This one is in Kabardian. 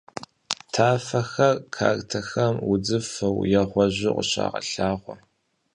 Tafexer kartexem vudzıfeu yê ğueju khışağelhağue.